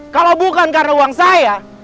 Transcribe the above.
kalau bukan karena uang saya